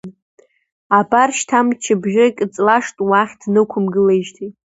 Абар шьҭа мчыбжьык ҵлашт уахь днықәымлеижьҭеи.